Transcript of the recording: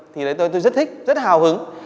thì tôi rất thích rất hào hứng